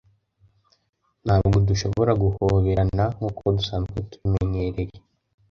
ntabwo dushobora guhoberana nkuko dusanzwe tubimenyereye